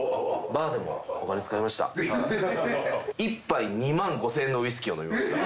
１杯２万５，０００円のウイスキーを飲みました。